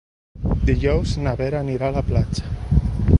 Dijous na Vera anirà a la platja.